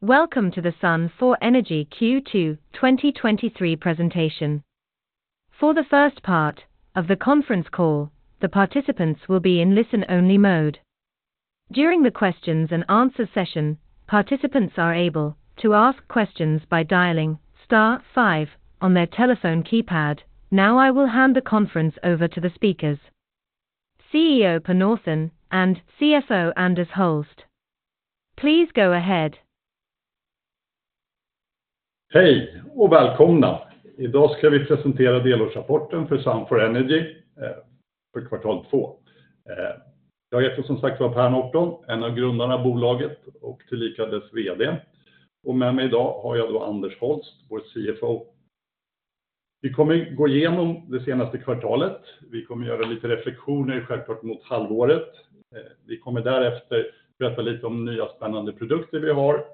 Welcome to the Sun4 Energy Q2 2023 presentation. For the first part of the conference call, the participants will be in listen only mode. During the questions and answer session, participants are able to ask questions by dialing star five on their telephone keypad. Now, I will hand the conference over to the speakers, CEO Per Norton and CFO Anders Holst. Please go ahead. Hej och välkomna! Idag ska vi presentera delårsrapporten för Sun4 Energy för kvartal två. Jag heter som sagt var Per Norton, en av grundarna av bolaget och tillika dess VD. Och med mig idag har jag då Anders Holst, vår CFO. Vi kommer gå igenom det senaste kvartalet. Vi kommer att göra lite reflektioner, självklart mot halvåret. Vi kommer därefter berätta lite om nya spännande produkter vi har,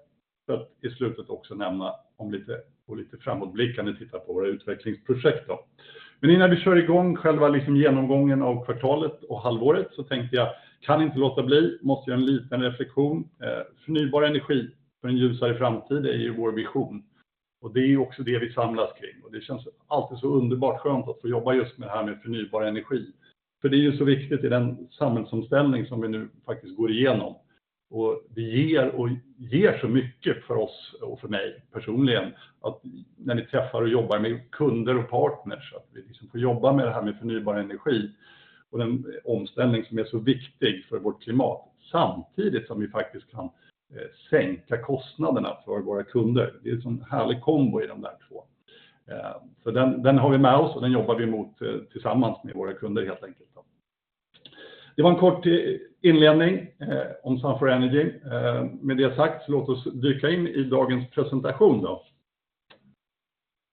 för att i slutet också nämna om lite, och lite framåtblickande titta på våra utvecklingsprojekt då. Men innan vi kör igång själva, liksom genomgången av kvartalet och halvåret, så tänkte jag: kan inte låta bli, måste göra en liten reflektion. Förnybar energi för en ljusare framtid är ju vår vision och det är också det vi samlas kring. Och det känns alltid så underbart skönt att få jobba just med det här med förnybar energi. För det är ju så viktigt i den samhällsomställning som vi nu faktiskt går igenom och det ger och ger så mycket för oss och för mig personligen, att när vi träffar och jobbar med kunder och partners, att vi liksom får jobba med det här med förnybar energi och den omställning som är så viktig för vårt klimat, samtidigt som vi faktiskt kan sänka kostnaderna för våra kunder. Det är en sådan härlig kombo i de där två. Så den, den har vi med oss och den jobbar vi mot tillsammans med våra kunder, helt enkelt då. Det var en kort inledning om Sun4 Energy. Med det sagt, så låt oss dyka in i dagens presentation då.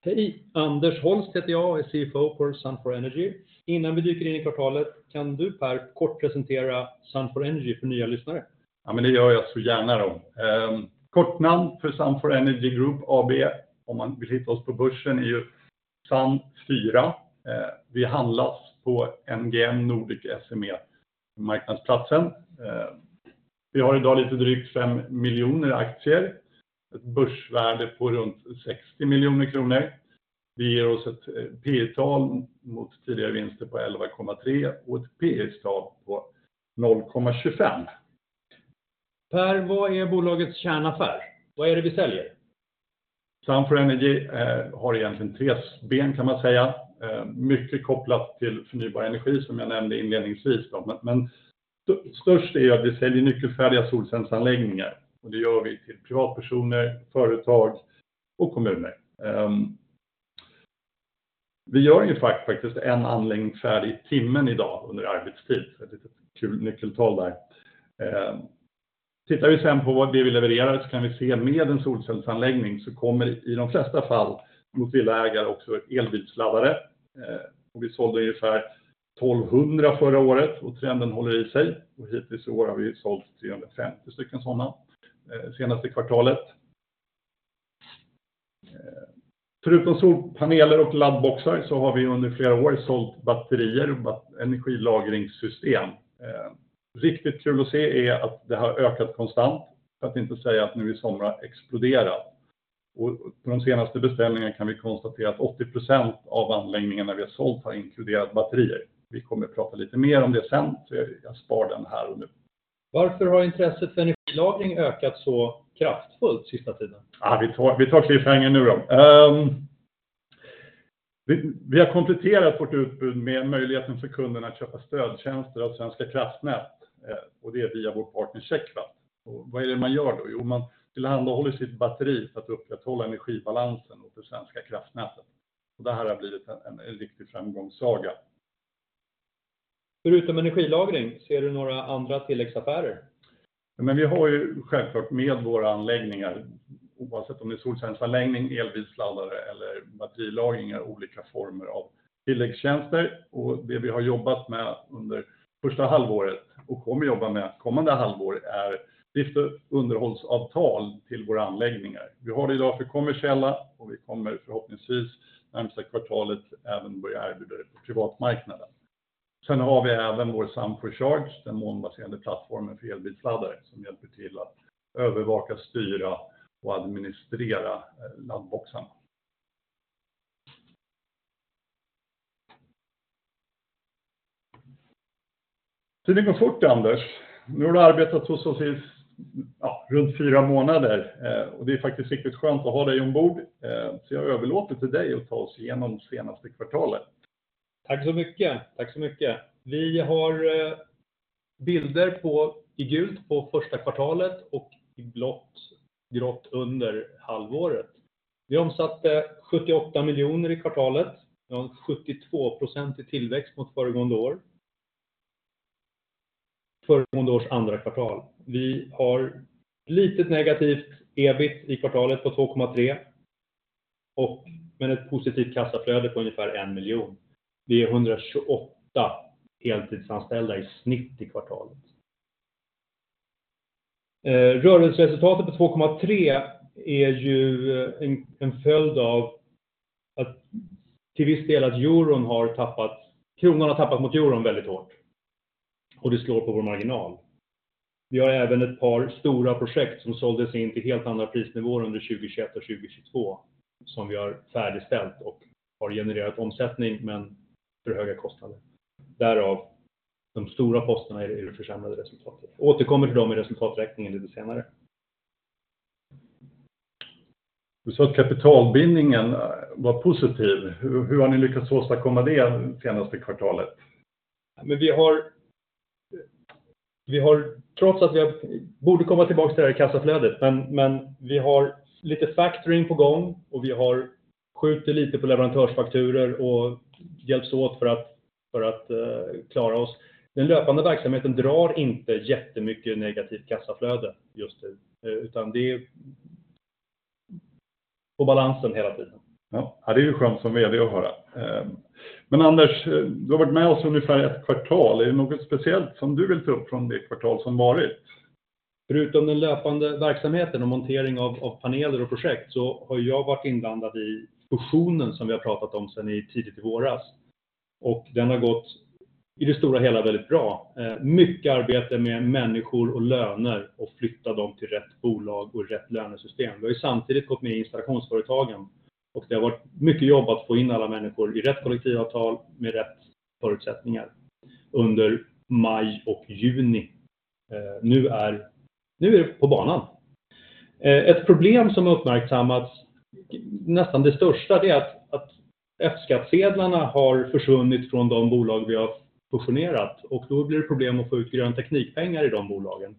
Hej, Anders Holst heter jag, är CFO för Sun4 Energy. Innan vi dyker in i kvartalet, kan du Per kort presentera Sun4 Energy för nya lyssnare? Ja, men det gör jag så gärna då. Kort namn för Sun4 Energy Group AB. Om man vill hitta oss på börsen är ju Sun4. Vi handlas på NGM, Nordic SME-marknadsplatsen. Vi har idag lite drygt 5 miljoner aktier, ett börsvärde på runt 60 miljoner kronor. Vi ger oss ett P/E-tal mot tidigare vinster på 11,3 och ett PE-tal på 0,25. Per, vad är bolagets kärnaffär? Vad är det vi säljer? Sun4 Energy har egentligen tre ben kan man säga, mycket kopplat till förnybar energi, som jag nämnde inledningsvis då. Men störst är att vi säljer nyckelfärdiga solcellsanläggningar och det gör vi till privatpersoner, företag och kommuner. Vi gör ju faktiskt en anläggning färdig i timmen i dag under arbetstid. Ett litet kul nyckeltal där. Tittar vi sedan på vad vi levererar så kan vi se med en solcellsanläggning, så kommer i de flesta fall mot villaägare också elbilsladdare. Och vi sålde ungefär 1200 förra året och trenden håller i sig. Hittills i år har vi ju sålt 350 stycken sådana senaste kvartalet. Förutom solpaneler och laddboxar så har vi under flera år sålt batterier, energilagringssystem. Riktigt kul att se är att det har ökat konstant, för att inte säga att nu i sommar exploderat. Och de senaste beställningarna kan vi konstatera att 80% av anläggningarna vi har sålt har inkluderat batterier. Vi kommer prata lite mer om det sen. Jag spar den här och nu. Varför har intresset för energilagring ökat så kraftfullt sista tiden? Vi tar cliffhanger nu då. Vi har kompletterat vårt utbud med möjligheten för kunderna att köpa stödtjänster av Svenska Kraftnät, och det är via vår partner CheckVatt. Vad är det man gör då? Jo, man tillhandahåller sitt batteri för att upprätthålla energibalansen för Svenska Kraftnätet. Det här har blivit en riktig framgångssaga. Förutom energilagring, ser du några andra tilläggsaffärer? Ja, men vi har ju självklart med våra anläggningar, oavsett om det är solcellsanläggning, elbilsladdare eller batterilagring, är olika former av tilläggstjänster och det vi har jobbat med under första halvåret och kommer jobba med kommande halvår, är drift- och underhållsavtal till våra anläggningar. Vi har det idag för kommersiella och vi kommer förhoppningsvis närmaste kvartalet även börja erbjuda på privatmarknaden. Sen har vi även vår Sun4 Charge, den molnbaserade plattformen för elbilsladdare, som hjälper till att övervaka, styra och administrera laddboxarna. Tiden går fort, Anders. Nu har du arbetat hos oss i, ja, runt fyra månader, och det är faktiskt riktigt skönt att ha dig ombord. Så jag överlåter till dig att ta oss igenom det senaste kvartalet. Tack så mycket, tack så mycket! Vi har bilder på, i gult på första kvartalet och i blått, grått under halvåret. Vi omsatte 78 miljoner i kvartalet. Vi har en 72% tillväxt mot föregående år. Föregående års andra kvartal. Vi har litet negativt EBIT i kvartalet på 2,3 och men ett positivt kassaflöde på ungefär en miljon. Vi är 128 heltidsanställda i snitt i kvartalet. Rörelseresultatet på 2,3 är ju en följd av att till viss del att euron har tappat, kronan har tappat mot euron väldigt hårt. Det slår på vår marginal. Vi har även ett par stora projekt som såldes in till helt andra prisnivåer under 2021 och 2022, som vi har färdigställt och har genererat omsättning, men för höga kostnader. Därav de stora posterna i det försämrade resultatet. Återkommer till dem i resultaträkningen lite senare. Du sa att kapitalbindningen var positiv. Hur har ni lyckats åstadkomma det senaste kvartalet? Men vi har, vi har, trots att jag borde komma tillbaka till det här i kassaflödet, men vi har lite factoring på gång och vi skjuter lite på leverantörsfakturor och hjälps åt för att klara oss. Den löpande verksamheten drar inte jättemycket negativt kassaflöde just nu, utan det är på balansen hela tiden. Ja, det är ju skönt som VD att höra. Men Anders, du har varit med oss i ungefär ett kvartal. Är det något speciellt som du vill ta upp från det kvartal som varit? Förutom den löpande verksamheten och montering av paneler och projekt så har jag varit inblandad i fusionen som vi har pratat om sedan tidigt i våras. Den har gått i det stora hela väldigt bra. Mycket arbete med människor och löner och flytta dem till rätt bolag och rätt lönesystem. Vi har ju samtidigt gått med installationsföretagen och det har varit mycket jobb att få in alla människor i rätt kollektivavtal med rätt förutsättningar under maj och juni. Nu är det på banan. Ett problem som har uppmärksammats, nästan det största, det är att F-skattsedlarna har försvunnit från de bolag vi har fusionerat och då blir det problem att få ut grön teknikpengar i de bolagen.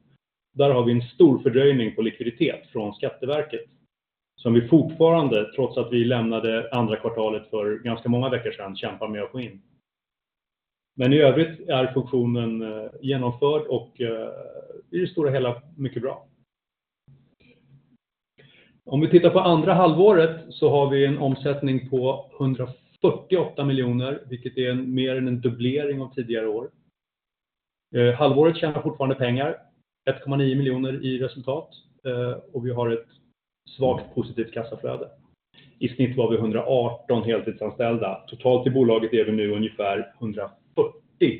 Där har vi en stor fördröjning på likviditet från Skatteverket, som vi fortfarande, trots att vi lämnade andra kvartalet för ganska många veckor sedan, kämpar med att få in. Men i övrigt är fusionen genomförd och i det stora hela mycket bra. Om vi tittar på andra halvåret så har vi en omsättning på 148 miljoner, vilket är mer än en dubblering av tidigare år. Halvåret tjänar fortfarande pengar, 1,9 miljoner i resultat, och vi har ett svagt positivt kassaflöde. I snitt var vi 118 heltidsanställda. Totalt i bolaget är vi nu ungefär 140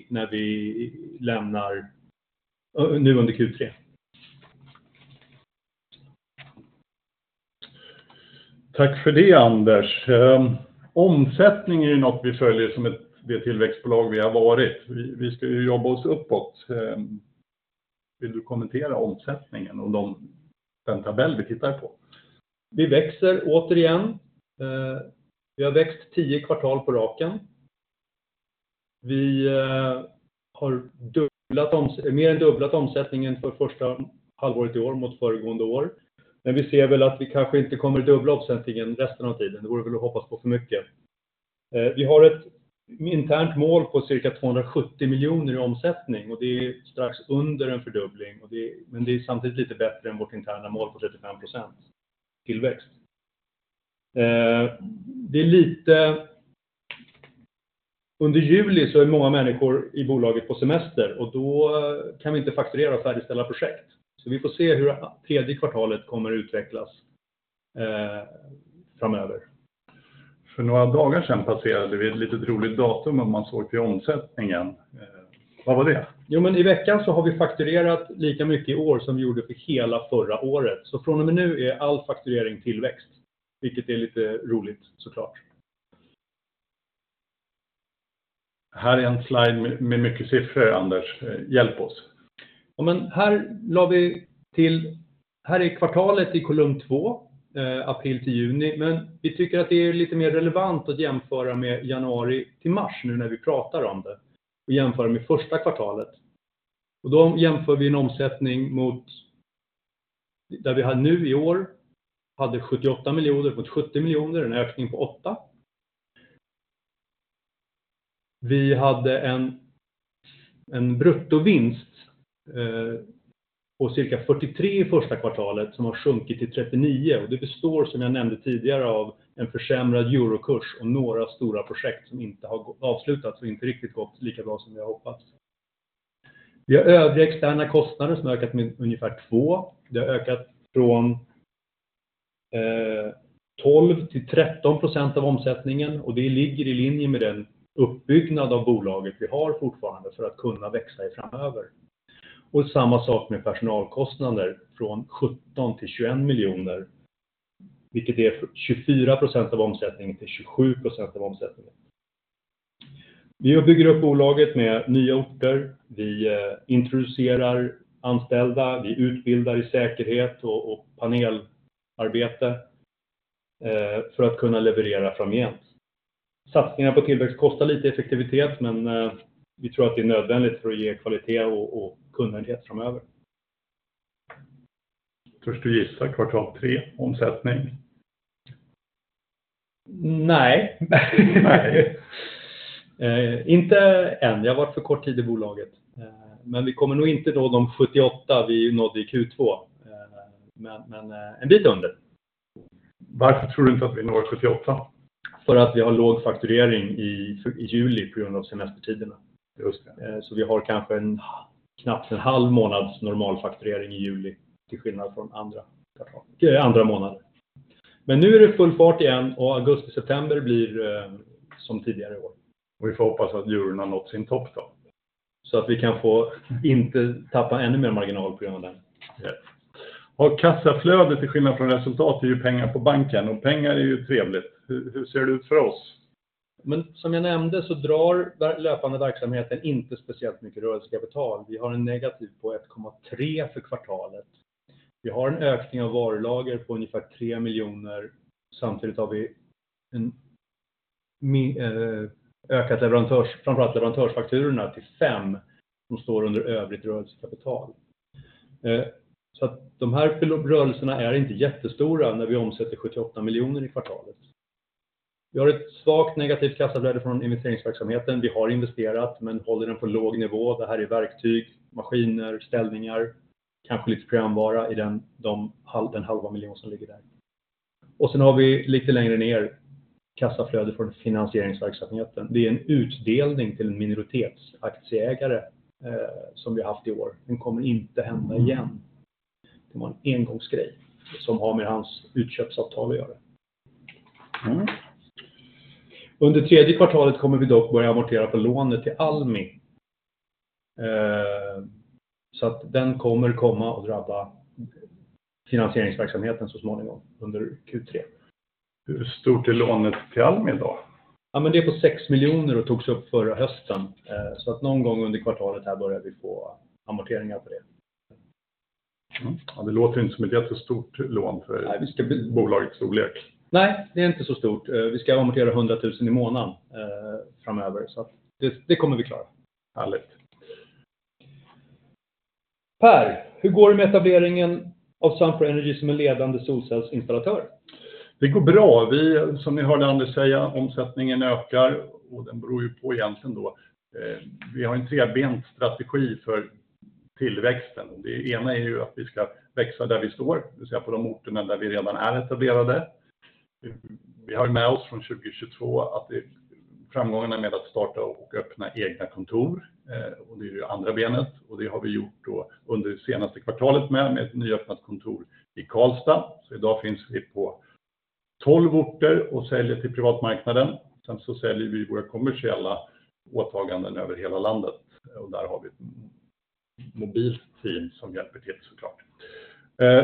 när vi lämnar nu under Q3. Tack för det, Anders. Omsättning är något vi följer som ett, det tillväxtbolag vi har varit. Vi ska ju jobba oss uppåt. Vill du kommentera omsättningen och den tabell vi tittar på? Vi växer återigen. Vi har växt tio kvartal på raken. Vi har dubblat, mer än dubblat omsättningen för första halvåret i år mot föregående år. Men vi ser väl att vi kanske inte kommer att dubbla omsättningen resten av tiden. Det vore väl att hoppas på för mycket. Vi har ett internt mål på cirka 270 miljoner i omsättning och det är strax under en fördubbling, och det, men det är samtidigt lite bättre än vårt interna mål på 35% tillväxt. Det är lite... Under juli så är många människor i bolaget på semester och då kan vi inte fakturera och färdigställa projekt. Så vi får se hur tredje kvartalet kommer att utvecklas framöver. För några dagar sedan passerade vi ett litet roligt datum om man såg till omsättningen. Vad var det? Jo, men i veckan så har vi fakturerat lika mycket i år som vi gjorde för hela förra året. Så från och med nu är all fakturering tillväxt, vilket är lite roligt så klart. Här är en slide med mycket siffror, Anders. Hjälp oss! Ja, men här la vi till. Här är kvartalet i kolumn två, april till juni, men vi tycker att det är lite mer relevant att jämföra med januari till mars, nu när vi pratar om det, och jämföra med första kvartalet. Då jämför vi en omsättning mot där vi hade nu i år, hade 78 miljoner mot 70 miljoner, en ökning på åtta. Vi hade en bruttovinst på cirka 43 i första kvartalet som har sjunkit till 39. Det består, som jag nämnde tidigare, av en försämrad eurokurs och några stora projekt som inte har avslutats och inte riktigt gått lika bra som vi hade hoppats. Vi har övriga externa kostnader som har ökat med ungefär två. Det har ökat från 12% till 13% av omsättningen och det ligger i linje med den uppbyggnad av bolaget vi har fortfarande för att kunna växa framöver. Samma sak med personalkostnader, från 17 till 21 miljoner, vilket är 24% av omsättningen till 27% av omsättningen. Vi bygger upp bolaget med nya orter. Vi introducerar anställda, vi utbildar i säkerhet och panelarbete för att kunna leverera framgent. Satsningarna på tillväxt kostar lite effektivitet, men vi tror att det är nödvändigt för att ge kvalitet och kundvärde framöver. Törs du gissa kvartal tre, omsättning? Nej, nej. Inte än. Jag har varit för kort tid i bolaget, men vi kommer nog inte nå de 78 vi nådde i Q2, men en bit under. Varför tror du inte att vi når sjuttioåtta? För att vi har låg fakturering i juli på grund av semestertiderna. Just det. Vi har kanske en, knappt en halv månads normalfakturering i juli, till skillnad från andra kvartal, andra månader. Men nu är det full fart igen och augusti, september blir som tidigare i år. Och vi får hoppas att euron har nått sin topp då, så att vi kan få inte tappa ännu mer marginal på grund av den. Kassaflödet, till skillnad från resultat, är ju pengar på banken och pengar är ju trevligt. Hur ser det ut för oss? Men som jag nämnde så drar löpande verksamheten inte speciellt mycket rörelsekapital. Vi har en negativ på 1,3 för kvartalet. Vi har en ökning av varulager på ungefär 3 miljoner. Samtidigt har vi ökat leverantörs-, framför allt leverantörsfakturorna till 5, som står under övrigt rörelsekapital. Så att de här rörelserna är inte jättestora när vi omsätter 78 miljoner i kvartalet. Vi har ett svagt negativt kassaflöde från investeringsverksamheten. Vi har investerat men håller den på låg nivå. Det här är verktyg, maskiner, ställningar, kanske lite programvara i den halva miljonen som ligger där. Sen har vi lite längre ner kassaflöde från finansieringsverksamheten. Det är en utdelning till en minoritetsaktieägare som vi haft i år. Den kommer inte hända igen. Det var en engångsgrej som har med hans utköpsavtal att göra. Under tredje kvartalet kommer vi dock börja amortera på lånet till Almi. Så att den kommer komma och drabba finansieringsverksamheten så småningom under Q3. Hur stort är lånet till Almi då? Ja, men det är på 6 miljoner och togs upp förra hösten. Så att någon gång under kvartalet här börjar vi få amorteringar på det. Ja, det låter inte som ett jättestort lån för bolagets storlek. Nej, det är inte så stort. Vi ska amortera hundra tusen i månaden framöver, så att det kommer vi klara. Härligt! Per, hur går det med etableringen av Sunfound Energy som en ledande solcellsinstallatör? Det går bra. Som ni hörde Anders säga, omsättningen ökar och den beror ju på egentligen då. Vi har en trebent strategi för tillväxten. Det ena är ju att vi ska växa där vi står, det vill säga på de orterna där vi redan är etablerade. Vi har med oss från 2022 att framgången är med att starta och öppna egna kontor. Det är ju andra benet och det har vi gjort då under det senaste kvartalet med ett nyöppnat kontor i Karlstad. Så i dag finns vi på tolv orter och säljer till privatmarknaden. Sen så säljer vi våra kommersiella åtaganden över hela landet och där har vi ett mobilt team som hjälper till så klart.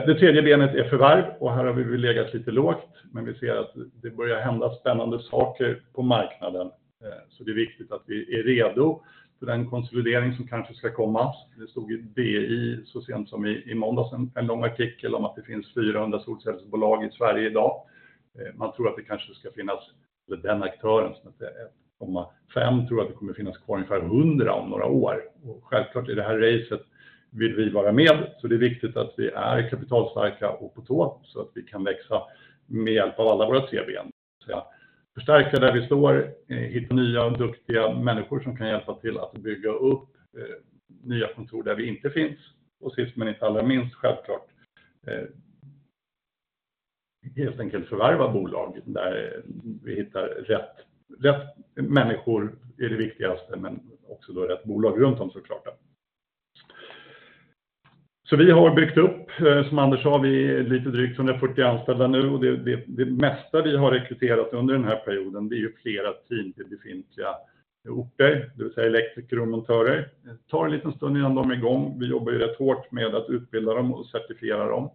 Det tredje benet är förvärv och här har vi legat lite lågt, men vi ser att det börjar hända spännande saker på marknaden. Det är viktigt att vi är redo för den konsolidering som kanske ska komma. Det stod i DI så sent som i måndags en lång artikel om att det finns fyrahundra solcellsbolag i Sverige idag. Man tror att det kanske ska finnas, eller den aktören, som hette ett komma fem, tror att det kommer att finnas kvar ungefär hundra om några år. Självklart, i det här racet vill vi vara med, så det är viktigt att vi är kapitalstarka och på tå, så att vi kan växa med hjälp av alla våra tre ben. Förstärka där vi står, hitta nya och duktiga människor som kan hjälpa till att bygga upp nya kontor där vi inte finns. Sist men inte allra minst, självklart, helt enkelt förvärva bolag där vi hittar rätt. Rätt människor är det viktigaste, men också rätt bolag runt dem så klart. Vi har byggt upp, som Anders sa, vi är lite drygt 140 anställda nu och det mesta vi har rekryterat under den här perioden, det är flera team till befintliga orter, det vill säga elektriker och montörer. Det tar en liten stund innan de är igång. Vi jobbar rätt hårt med att utbilda dem och certifiera dem.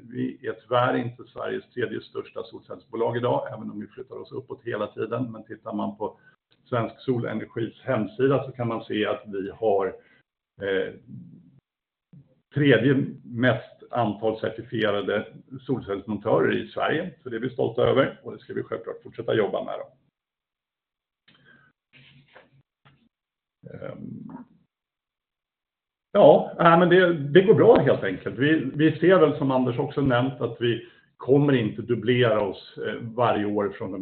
Vi är tyvärr inte Sveriges tredje största solcellsbolag idag, även om vi flyttar oss uppåt hela tiden. Men tittar man på Svensk Solenergis hemsida så kan man se att vi har tredje mest antal certifierade solcellsmontörer i Sverige. Det är vi stolta över och det ska vi självklart fortsätta jobba med. Det går bra helt enkelt. Vi ser väl, som Anders också nämnt, att vi kommer inte dubblera oss varje år från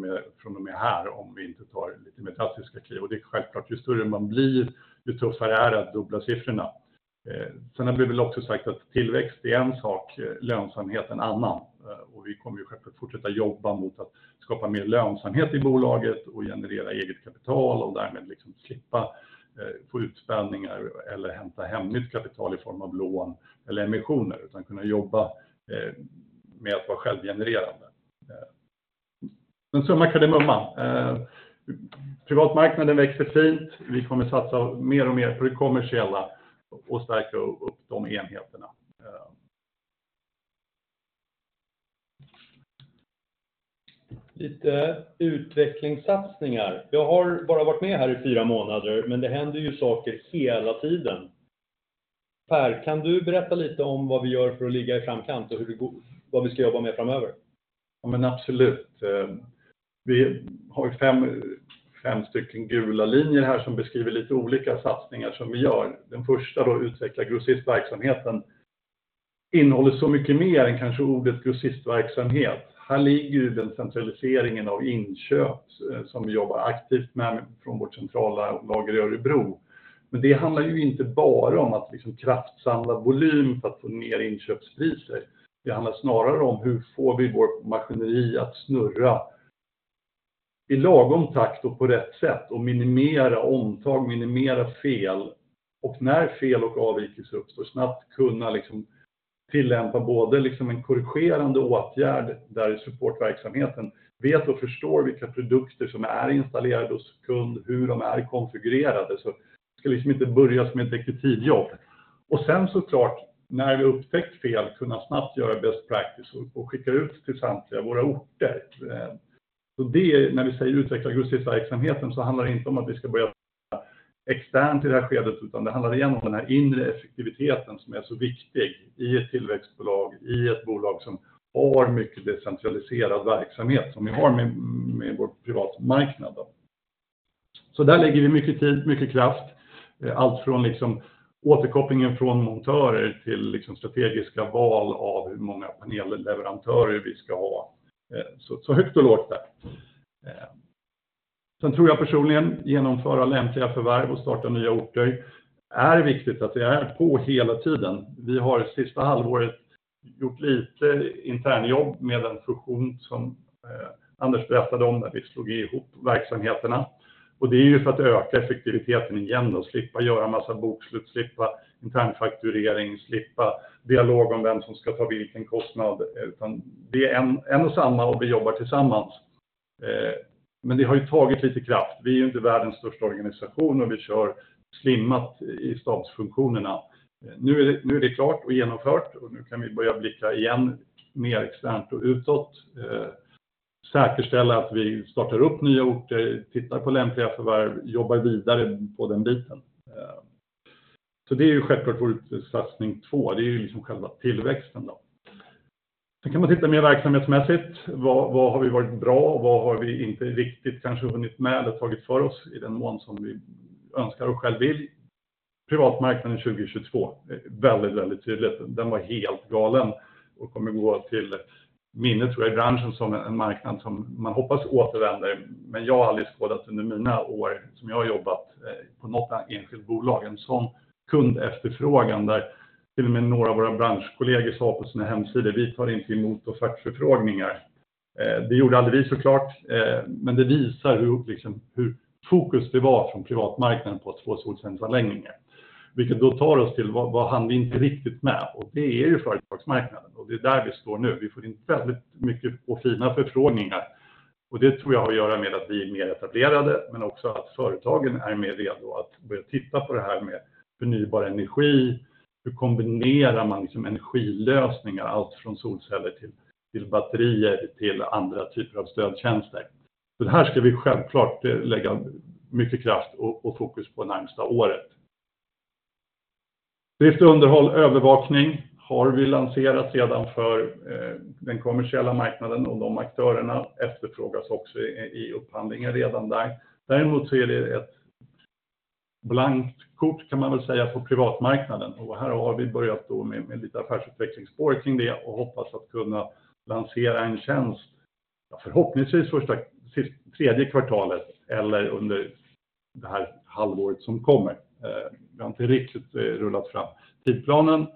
och med här, om vi inte tar lite mer drastiska kliv. Det är självklart, ju större man blir, ju tuffare är det att dubbla siffrorna. Sen har vi väl också sagt att tillväxt är en sak, lönsamhet en annan. Vi kommer självklart fortsätta jobba mot att skapa mer lönsamhet i bolaget och generera eget kapital och därmed slippa få utspädningar eller hämta hem nytt kapital i form av lån eller emissioner, utan kunna jobba med att vara självgenererande. Men summa summarum, privatmarknaden växer fint. Vi kommer att satsa mer och mer på det kommersiella och stärka upp de enheterna. Lite utvecklingssatsningar. Jag har bara varit med här i fyra månader, men det händer ju saker hela tiden. Per, kan du berätta lite om vad vi gör för att ligga i framkant och hur det går, vad vi ska jobba med framöver? Ja, men absolut. Vi har fem stycken gula linjer här som beskriver lite olika satsningar som vi gör. Den första då, utveckla grossistverksamheten, innehåller så mycket mer än kanske ordet grossistverksamhet. Här ligger ju den centraliseringen av inköp som vi jobbar aktivt med från vårt centrala lager i Örebro. Men det handlar ju inte bara om att kraftsamla volym för att få ner inköpspriser. Det handlar snarare om hur får vi vårt maskineri att snurra i lagom takt och på rätt sätt och minimera omtag, minimera fel. När fel och avvikelser uppstår, snabbt kunna tillämpa både en korrigerande åtgärd där i supportverksamheten, vet och förstår vilka produkter som är installerade hos kund, hur de är konfigurerade. Så det ska inte börja som ett detektivjobb. Sen så klart, när vi upptäckt fel, kunna snabbt göra best practice och skicka ut till samtliga våra orter. När vi säger utveckla serviceverksamheten, så handlar det inte om att vi ska börja externt i det här skedet, utan det handlar igen om den här inre effektiviteten som är så viktig i ett tillväxtbolag, i ett bolag som har mycket decentraliserad verksamhet, som vi har med vår privatmarknad då. Där lägger vi mycket tid, mycket kraft, allt från liksom återkopplingen från montörer till liksom strategiska val av hur många panelleverantörer vi ska ha. Högt och lågt där. Sen tror jag personligen, genomföra lämpliga förvärv och starta nya orter är viktigt att vi är på hela tiden. Vi har sista halvåret gjort lite internjobb med den fusion som Anders berättade om, där vi slog ihop verksamheterna. Det är ju för att öka effektiviteten igen och slippa göra en massa bokslut, slippa internfakturering, slippa dialog om vem som ska ta vilken kostnad. Utan vi är en och samma och vi jobbar tillsammans. Men det har ju tagit lite kraft. Vi är inte världens största organisation och vi kör slimmat i stabsfunktionerna. Nu är det klart och genomfört och nu kan vi börja blicka igen mer externt och utåt. Säkerställa att vi startar upp nya orter, tittar på lämpliga förvärv, jobbar vidare på den biten. Det är ju självklart vår satsning två, det är ju liksom själva tillväxten då. Sen kan man titta mer verksamhetsmässigt. Vad har vi varit bra? Vad har vi inte riktigt kanske hunnit med eller tagit för oss i den mån som vi önskar och själv vill? Privatmarknaden 2022. Väldigt, väldigt tydligt. Den var helt galen och kommer gå till minnet tror jag i branschen som en marknad som man hoppas återvänder. Men jag har aldrig skådat under mina år, som jag har jobbat på något enskilt bolag, en sådan kundefterfrågan, där till och med några av våra branschkollegor sa på sina hemsidor: "Vi tar inte emot offertförfrågningar." Det gjorde aldrig vi så klart, men det visar hur fokus det var från privatmarknaden på att få solcellsanläggningar. Vilket då tar oss till vad hann vi inte riktigt med? Det är ju företagsmarknaden och det är där vi står nu. Vi får in väldigt mycket och fina förfrågningar och det tror jag har att göra med att vi är mer etablerade, men också att företagen är mer redo att börja titta på det här med förnybar energi. Hur kombinerar man energilösningar? Allt från solceller till batterier, till andra typer av stödtjänster. Det här ska vi självklart lägga mycket kraft och fokus på det närmsta året. Drift och underhåll, övervakning har vi lanserat sedan för den kommersiella marknaden och de aktörerna efterfrågas också i upphandlingar redan där. Däremot så är det ett blankt kort, kan man väl säga, på privatmarknaden och här har vi börjat då med lite affärsutvecklingsspår kring det och hoppas att kunna lansera en tjänst, förhoppningsvis första, tredje kvartalet eller under det här halvåret som kommer. Vi har inte riktigt rullat fram tidplanen.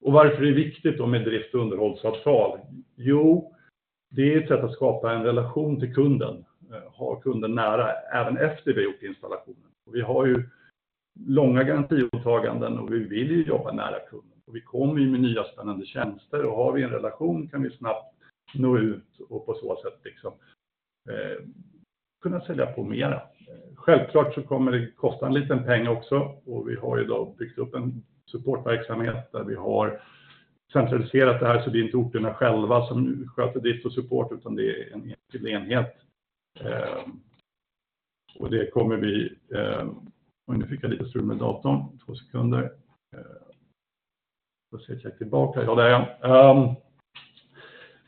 Och varför är det viktigt med drift- och underhållsavtal? Jo, det är ett sätt att skapa en relation till kunden, ha kunden nära även efter vi har gjort installationen. Vi har ju långa garantiåtaganden och vi vill ju jobba nära kunden. Och vi kommer ju med nya spännande tjänster och har vi en relation kan vi snabbt nå ut och på så sätt kunna sälja på mera. Självklart så kommer det kosta en liten peng också och vi har i dag byggt upp en supportverksamhet där vi har centraliserat det här så det är inte orterna själva som sköter drift och support, utan det är en enskild enhet. Det kommer vi... Nu fick jag lite strul med datorn. Två sekunder. Så ska jag tillbaka. Ja, där ja.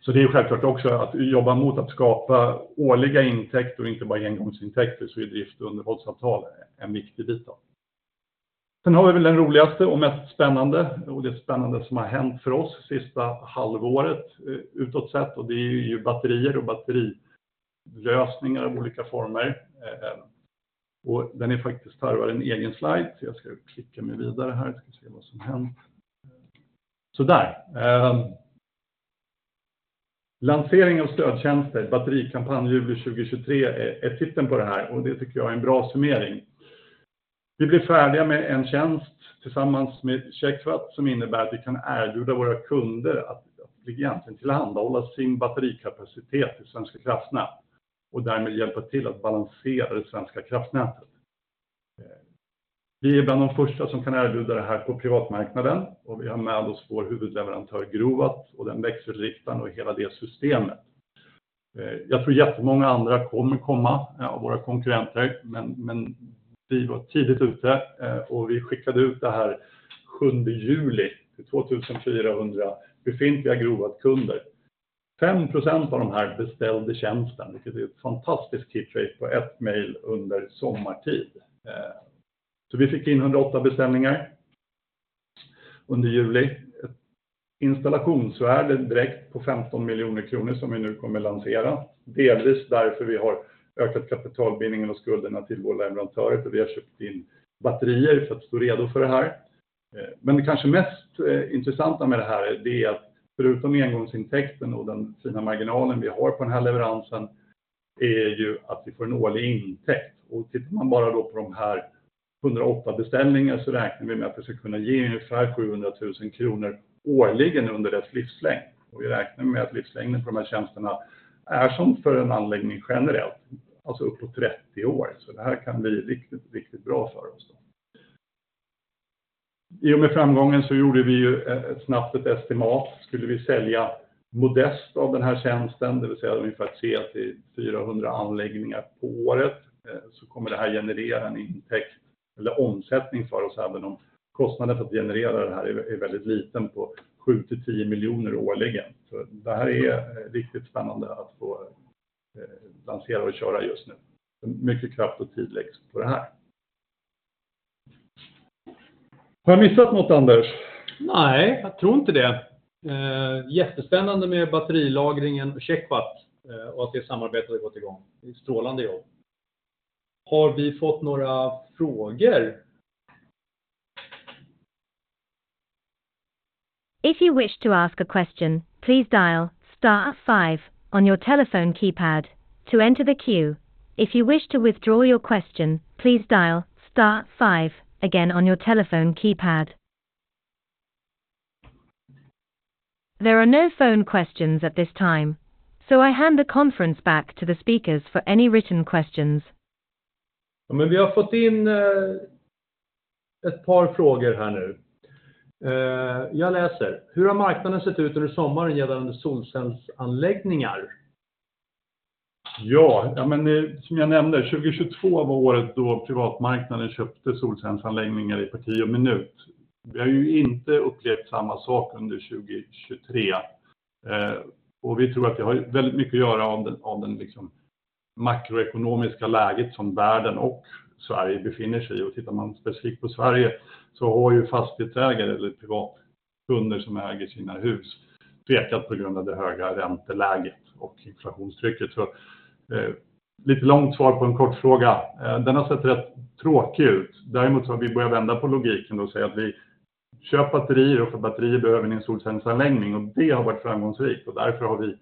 Så det är självklart också att jobba mot att skapa årliga intäkter, inte bara engångsintäkter, så är drift- och underhållsavtal en viktig bit av det. Sen har vi väl den roligaste och mest spännande, och det spännande som har hänt för oss sista halvåret, utåt sett, och det är ju batterier och batterilösningar av olika former. Den är faktiskt, förtjänar en egen slide, så jag ska klicka mig vidare här. Ska se vad som hänt. Sådär! Lansering av stödtjänster, batterikampanj juli 2023, är titeln på det här och det tycker jag är en bra summering. Vi blev färdiga med en tjänst tillsammans med Checkvat, som innebär att vi kan erbjuda våra kunder att egentligen tillhandahålla sin batterikapacitet i svenska kraftnät och därmed hjälpa till att balansera det svenska kraftnätet. Vi är bland de första som kan erbjuda det här på privatmarknaden och vi har med oss vår huvudleverantör Grovat och den växelriktaren och hela det systemet. Jag tror jättemånga andra kommer komma av våra konkurrenter, men vi var tidigt ute och vi skickade ut det här sjunde juli, 2400 befintliga Grovat-kunder. 5% av de här beställde tjänsten, vilket är ett fantastiskt kick rate på ett mejl under sommartid. Vi fick in 108 beställningar under juli. Ett installationsvärde direkt på 15 miljoner kronor, som vi nu kommer lansera. Delvis därför vi har ökat kapitalbindningen och skulderna till vår leverantör, för vi har köpt in batterier för att stå redo för det här. Men det kanske mest intressanta med det här är att förutom engångsintäkten och den fina marginalen vi har på den här leveransen, är ju att vi får en årlig intäkt. Tittar man bara då på de här 108 beställningar så räknar vi med att det ska kunna ge ungefär 700 000 kronor årligen under dess livslängd. Vi räknar med att livslängden för de här tjänsterna är som för en anläggning generellt, alltså uppåt 30 år. Det här kan bli riktigt, riktigt bra för oss då. I och med framgången så gjorde vi ju ett snabbt estimat. Skulle vi sälja modest av den här tjänsten, det vill säga ungefär tre till fyrahundra anläggningar på året, så kommer det här generera en intäkt eller omsättning för oss, även om kostnaden för att generera det här är väldigt liten på 7 till 10 miljoner årligen. Det här är riktigt spännande att få lansera och köra just nu. Mycket kraft och tid läggs på det här. Har jag missat något, Anders? Nej, jag tror inte det. Jättespännande med batterilagringen och Checkwatt och att det samarbetet har gått igång. Det är ett strålande jobb. Har vi fått några frågor? If you wish to ask a question, please dial star five on your telephone keypad to enter the queue. If you wish to withdraw your question, please dial star five again on your telephone keypad. There are no phone questions at this time, so I hand the conference back to the speakers for any written questions. Ja, men vi har fått in ett par frågor här nu. Jag läser: Hur har marknaden sett ut under sommaren gällande solcellsanläggningar? Ja, men som jag nämnde, 2022 var året då privatmarknaden köpte solcellsanläggningar i parti och minut. Vi har ju inte upplevt samma sak under 2023. Och vi tror att det har väldigt mycket att göra av den makroekonomiska läget som världen och Sverige befinner sig i. Tittar man specifikt på Sverige så har ju fastighetsägare eller privatkunder som äger sina hus tvekat på grund av det höga ränteläget och inflationstrycket. Så lite långt svar på en kort fråga. Den har sett rätt tråkig ut. Däremot har vi börjat vända på logiken och säga att: "Köp batterier och för batterier behöver ni en solcellsanläggning", och det har varit framgångsrikt. Därför har vi,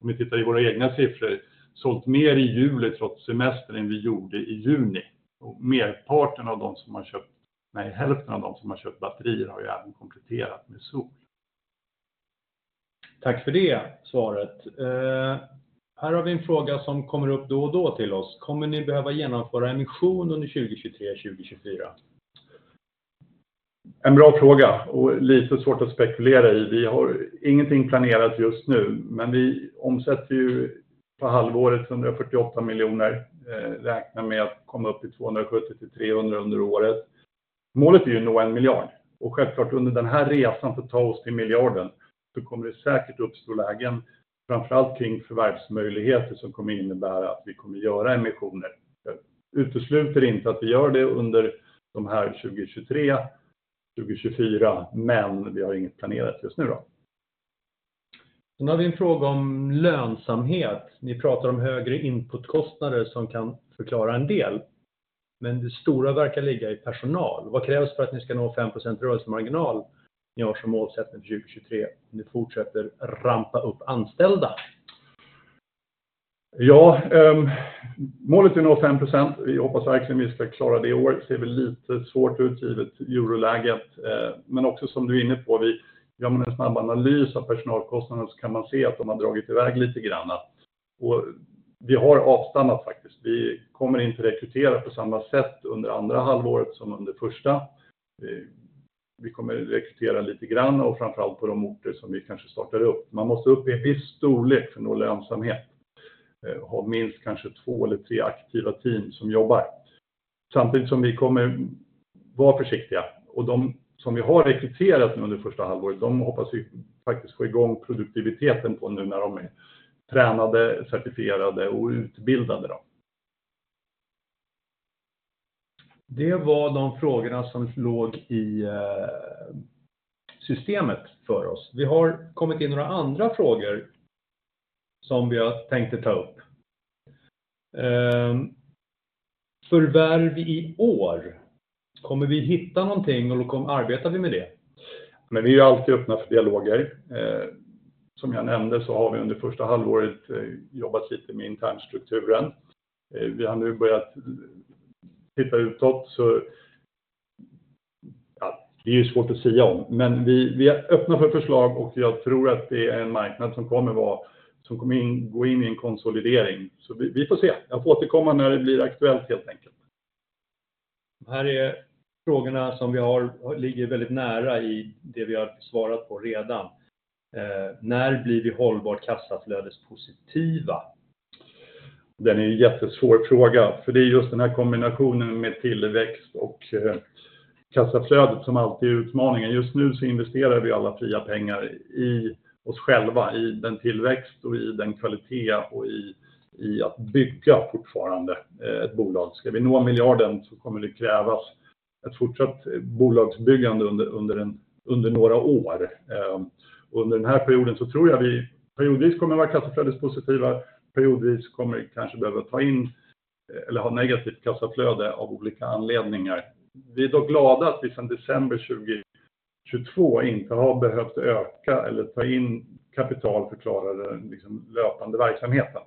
om vi tittar i våra egna siffror, sålt mer i juli trots semester än vi gjorde i juni. Och merparten av de som har köpt, nej, hälften av de som har köpt batterier har ju även kompletterat med sol. Tack för det svaret. Här har vi en fråga som kommer upp då och då till oss: Kommer ni behöva genomföra emission under 2023, 2024? En bra fråga och lite svårt att spekulera i. Vi har ingenting planerat just nu, men vi omsätter ju på halvåret 148 miljoner. Räknar med att komma upp i 270 till 300 under året. Målet är ju att nå en miljard och självklart under den här resan för att ta oss till miljarden, så kommer det säkert uppstå lägen, framför allt kring förvärvsmöjligheter, som kommer innebära att vi kommer göra emissioner. Jag utesluter inte att vi gör det under 2023, 2024, men vi har inget planerat just nu då. Sen har vi en fråga om lönsamhet. Ni pratar om högre inputkostnader som kan förklara en del, men det stora verkar ligga i personal. Vad krävs för att ni ska nå 5% rörelsemarginal? Ni har som målsättning 2023, ni fortsätter rampa upp anställda. Ja, målet är att nå 5%. Vi hoppas verkligen vi ska klara det i år. Det ser väl lite svårt ut givet euroläget, men också som du är inne på, gör man en snabb analys av personalkostnader så kan man se att de har dragit i väg lite grann. Vi har avstannat faktiskt. Vi kommer inte rekrytera på samma sätt under andra halvåret som under första. Vi kommer rekrytera lite grann och framför allt på de orter som vi kanske startar upp. Man måste upp i en viss storlek för att nå lönsamhet. Ha minst kanske två eller tre aktiva team som jobbar. Samtidigt som vi kommer vara försiktiga och de som vi har rekryterat nu under första halvåret, de hoppas vi faktiskt få i gång produktiviteten på nu när de är tränade, certifierade och utbildade då. Det var de frågorna som låg i systemet för oss. Vi har kommit in några andra frågor som vi har tänkt att ta upp. Förvärv i år, kommer vi hitta någonting och arbetar vi med det? Men vi är alltid öppna för dialoger. Som jag nämnde så har vi under första halvåret jobbat lite med internstrukturen. Vi har nu börjat titta utåt, så... Ja, det är ju svårt att sia om, men vi är öppna för förslag och jag tror att det är en marknad som kommer vara, som kommer gå in i en konsolidering. Så vi får se. Jag får återkomma när det blir aktuellt helt enkelt. Här är frågorna som vi har, ligger väldigt nära i det vi har svarat på redan. När blir vi hållbart kassaflödespositiva? Den är en jättesvår fråga, för det är just den här kombinationen med tillväxt och kassaflödet som alltid är utmaningen. Just nu så investerar vi alla fria pengar i oss själva, i den tillväxt och i den kvalitet och i att bygga fortfarande ett bolag. Ska vi nå miljarden så kommer det krävas ett fortsatt bolagsbyggande under några år. Under den här perioden så tror jag vi periodvis kommer vara kassaflödespositiva, periodvis kommer kanske behöva ta in kapital eller har negativt kassaflöde av olika anledningar. Vi är då glada att vi sedan december 2022 inte har behövt öka eller ta in kapital för att klara den löpande verksamheten.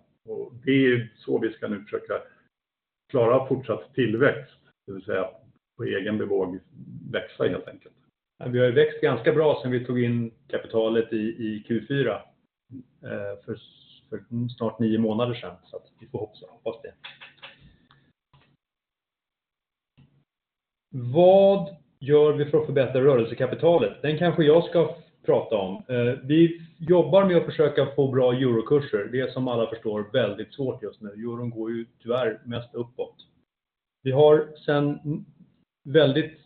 Det är så vi ska nu försöka klara fortsatt tillväxt, det vill säga på egen bevåg växa helt enkelt. Vi har ju växt ganska bra sedan vi tog in kapitalet i Q4 för snart nio månader sedan. Så att vi får hoppas det. Vad gör vi för att förbättra rörelsekapitalet? Den kanske jag ska prata om. Vi jobbar med att försöka få bra eurokurser. Det är som alla förstår väldigt svårt just nu. Euron går ju tyvärr mest uppåt. Vi har sedan väldigt,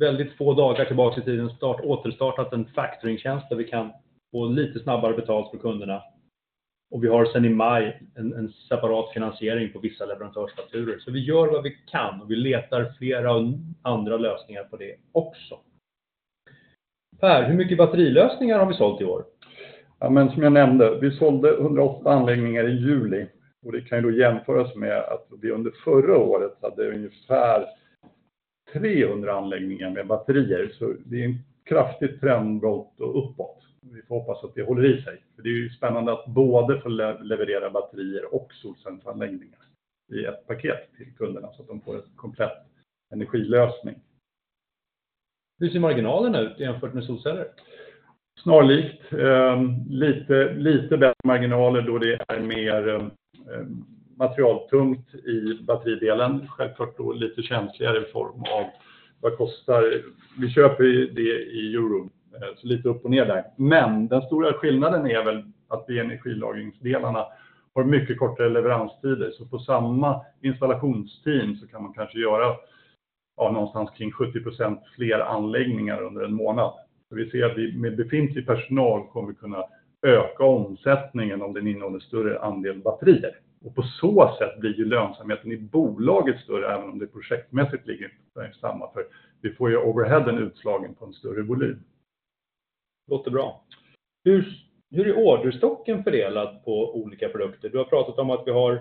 väldigt få dagar tillbaka i tiden startat, återstartat en factoringtjänst där vi kan få lite snabbare betalt på kunderna och vi har sedan i maj en separat finansiering på vissa leverantörsfakturor. Så vi gör vad vi kan och vi letar flera andra lösningar på det också. Per, hur mycket batterilösningar har vi sålt i år? Ja, men som jag nämnde, vi sålde 108 anläggningar i juli och det kan då jämföras med att vi under förra året hade ungefär 300 anläggningar med batterier. Så det är en kraftig trendbrott och uppåt. Vi får hoppas att det håller i sig. Det är spännande att både få leverera batterier och solcellsanläggningar i ett paket till kunderna så att de får en komplett energilösning. Hur ser marginalen ut jämfört med solceller? Snarlikt. Lite bättre marginaler då det är mer materialtungt i batteridelen. Självklart då lite känsligare i form av vad kostar... Vi köper ju det i euro, så lite upp och ner där. Men den stora skillnaden är väl att vi energilagringsdelarna har mycket kortare leveranstider, så på samma installationsteam så kan man kanske göra, ja, någonstans kring 70% fler anläggningar under en månad. Vi ser att vi med befintlig personal kommer att kunna öka omsättningen om den innehåller större andel batterier och på så sätt blir ju lönsamheten i bolaget större, även om det projektmässigt ligger ungefär samma, för vi får ju overheaden utslagen på en större volym. Låter bra. Hur är orderstocken fördelad på olika produkter? Du har pratat om att vi har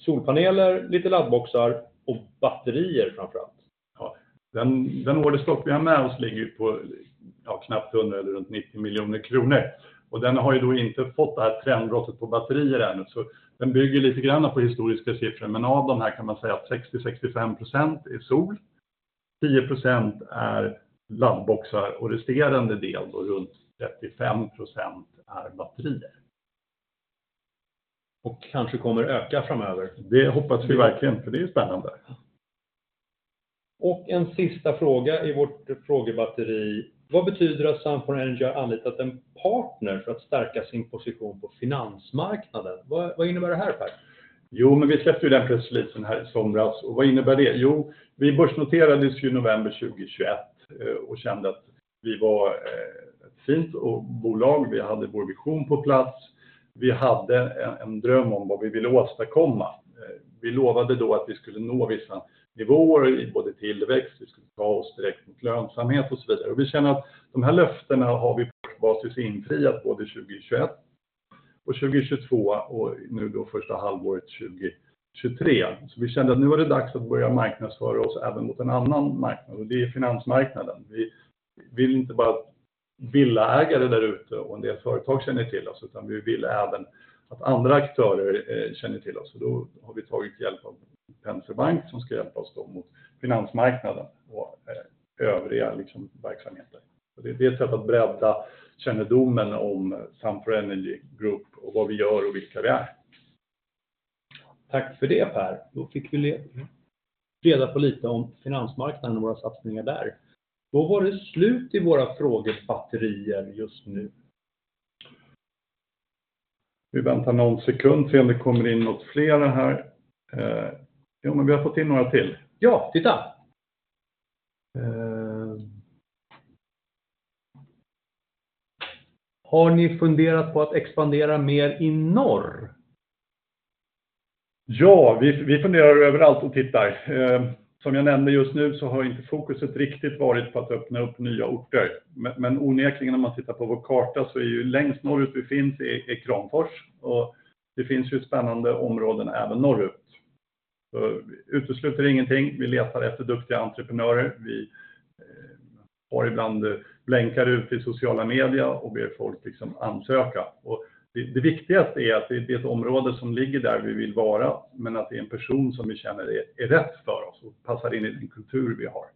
solpaneler, lite laddboxar och batterier framför allt. Ja, den orderstock vi har med oss ligger ju på, ja, knappt 100 eller runt 90 miljoner kronor. Den har ju då inte fått det här trendbrottet på batterier ännu, så den bygger lite grann på historiska siffror. Men av de här kan man säga att 60, 65% är sol, 10% är laddboxar och resterande del, då runt 35%, är batterier. Och kanske kommer öka framöver. Det hoppas vi verkligen, för det är spännande. Och en sista fråga i vårt frågebatteri: Vad betyder det att Sunfound Energy har anlitat en partner för att stärka sin position på finansmarknaden? Vad innebär det här, Per? Jo, men vi släppte ju den pressreleasen i somras. Vad innebär det? Jo, vi börsnoterades ju november 2021 och kände att vi var ett fint bolag. Vi hade vår vision på plats. Vi hade en dröm om vad vi ville åstadkomma. Vi lovade då att vi skulle nå vissa nivåer i både tillväxt, vi skulle ta oss direkt mot lönsamhet och så vidare. Vi känner att de här löftena har vi på basis infriat både 2021 och 2022 och nu då första halvåret 2023. Vi kände att nu var det dags att börja marknadsföra oss även mot en annan marknad och det är finansmarknaden. Vi vill inte bara att villaägare där ute och en del företag känner till oss, utan vi vill även att andra aktörer känner till oss. Och då har vi tagit hjälp av Pence Bank, som ska hjälpa oss då mot finansmarknaden och övriga verksamheter. Det är ett sätt att bredda kännedomen om Sunfound Energy Group och vad vi gör och vilka vi är. Tack för det, Per. Då fick vi veta lite om finansmarknaden och våra satsningar där. Då var det slut i våra frågebatterier just nu. Vi väntar någon sekund, se om det kommer in något fler här. Ja, men vi har fått in några till. Ja, titta! Har ni funderat på att expandera mer i norr? Ja, vi funderar överallt och tittar. Som jag nämnde just nu så har inte fokuset riktigt varit på att öppna upp nya orter. Men onekligen, om man tittar på vår karta, så är ju längst norrut vi finns är Kramfors och det finns ju spännande områden även norrut. Vi utesluter ingenting. Vi letar efter duktiga entreprenörer. Vi har ibland blänkar ut i sociala medier och ber folk ansöka. Och det viktigaste är att det är ett område som ligger där vi vill vara, men att det är en person som vi känner är rätt för oss och passar in i den kultur vi har.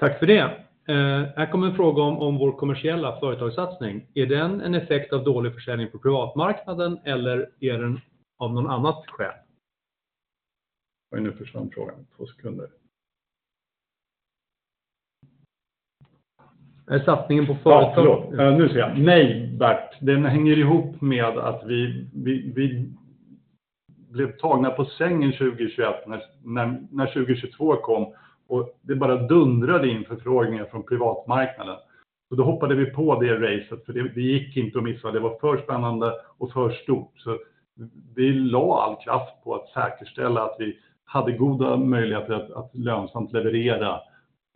Tack för det! Här kommer en fråga om vår kommersiella företagssatsning. Är den en effekt av dålig försäljning på privatmarknaden eller är den av någon annan skäl? Vad är nu för någon fråga? Två sekunder. Är satsningen på- Ja, förlåt. Nu ser jag. Nej, Bert, den hänger ihop med att vi blev tagna på sängen 2021 när 2022 kom och det bara dundrade in förfrågningar från privatmarknaden. Då hoppade vi på det racet, för det gick inte att missa. Det var för spännande och för stort. Så vi lade all kraft på att säkerställa att vi hade goda möjligheter att lönsamt leverera.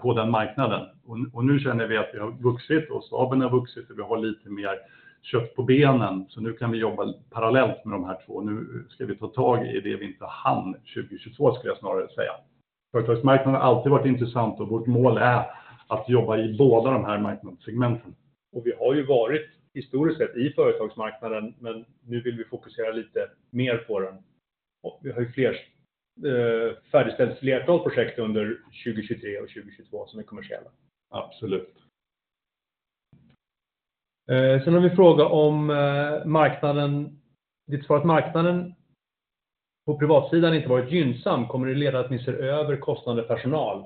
på den marknaden. Och nu känner vi att vi har vuxit och staben har vuxit och vi har lite mer kött på benen. Så nu kan vi jobba parallellt med de här två. Nu ska vi ta tag i det vi inte hann 2022, skulle jag snarare säga. Företagsmarknaden har alltid varit intressant och vårt mål är att jobba i båda de här marknadssegmenten. Och vi har ju varit historiskt sett i företagsmarknaden, men nu vill vi fokusera lite mer på den. Vi har ju färdigställt flertal projekt under 2023 och 2022 som är kommersiella. Absolut. Har vi fråga om marknaden, ditt svar att marknaden på privatsidan inte varit gynnsam. Kommer det leda att ni ser över kostnad personal?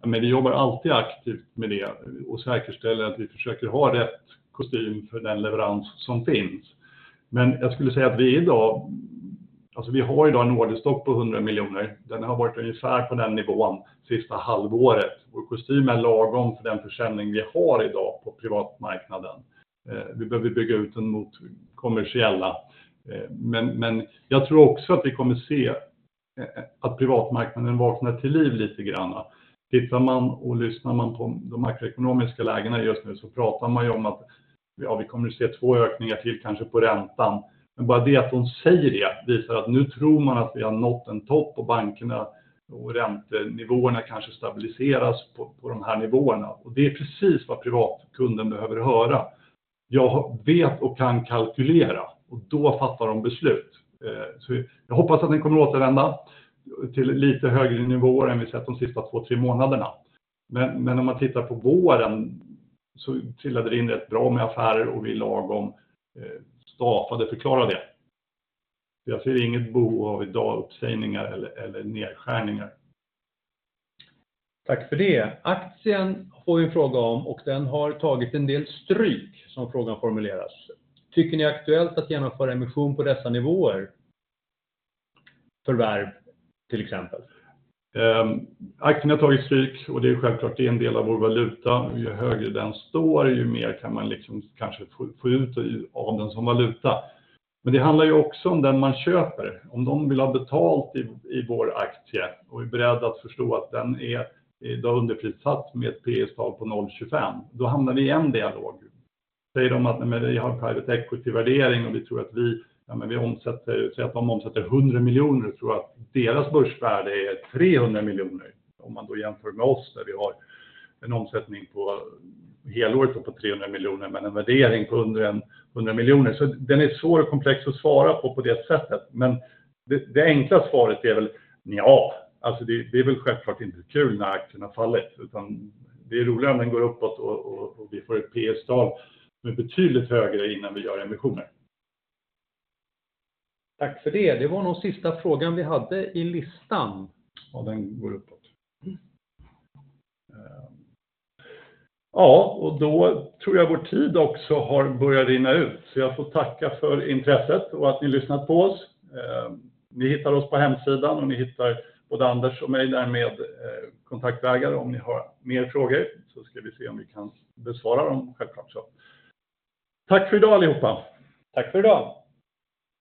Ja, men vi jobbar alltid aktivt med det och säkerställer att vi försöker ha rätt kostym för den leverans som finns. Men jag skulle säga att vi idag, alltså vi har idag en orderstock på 100 miljoner. Den har varit ungefär på den nivån sista halvåret. Vår kostym är lagom för den försäljning vi har idag på privatmarknaden. Vi behöver bygga ut den mot kommersiella. Men jag tror också att vi kommer se att privatmarknaden vaknar till liv lite grann. Tittar man och lyssnar man på de makroekonomiska lägena just nu så pratar man ju om att, ja, vi kommer att se två ökningar till, kanske på räntan. Men bara det att de säger det visar att nu tror man att vi har nått en topp och bankerna och räntenivåerna kanske stabiliseras på de här nivåerna. Det är precis vad privatkunden behöver höra. Jag vet och kan kalkylera och då fattar de beslut. Så jag hoppas att den kommer återvända till lite högre nivåer än vi sett de sista två, tre månaderna. Men om man tittar på våren så trillade det in rätt bra med affärer och vi lagom stafade förklara det. Jag ser inget bo av idag, uppsägningar eller nedskärningar. Tack för det! Aktien får vi en fråga om och den har tagit en del stryk, som frågan formuleras. Tycker ni aktuellt att genomföra emission på dessa nivåer? Förvärv, till exempel. Aktien har tagit stryk och det är självklart, det är en del av vår valuta. Ju högre den står, ju mer kan man kanske få ut av den som valuta. Men det handlar ju också om den man köper. Om de vill ha betalt i vår aktie och är beredd att förstå att den är idag underprissatt med ett P/S-tal på 0,25, då hamnar vi i en dialog. Säger de att nej, men vi har private equity-värdering och vi tror att vi, ja men vi omsätter... Säg att de omsätter 100 miljoner och tror att deras börsvärde är 300 miljoner. Om man då jämför med oss, där vi har en omsättning på helåret på 300 miljoner, men en värdering på under 100 miljoner. Så den är svår och komplex att svara på, på det sättet. Men det enkla svaret är väl: nja, alltså, det är väl självklart inte kul när aktien har fallit, utan det är roligare om den går uppåt och vi får ett P/S-tal som är betydligt högre innan vi gör emissioner. Tack för det. Det var nog sista frågan vi hade i listan. Ja, den går uppåt. Ja, och då tror jag vår tid också har börjat rinna ut. Så jag får tacka för intresset och att ni lyssnat på oss. Ni hittar oss på hemsidan och ni hittar både Anders och mig där med kontaktvägar. Om ni har mer frågor så ska vi se om vi kan besvara dem. Självklart så. Tack för i dag, allihopa! Tack för i dag.